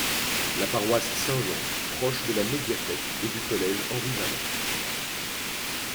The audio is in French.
La paroisse Saint-Jean proche de la médiathèque et du collège Henri-Wallon.